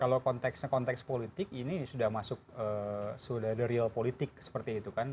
kalau konteksnya konteks politik ini sudah masuk sudah ada real politik seperti itu kan